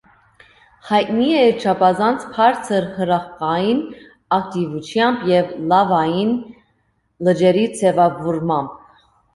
Հայտնի է իր չափազանց բարձր հրաբխային ակտիվությամբ և լավային լճերի ձևավորմամբ։